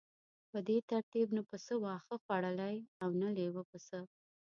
په دې ترتیب نه پسه واښه خوړلی او نه لیوه پسه.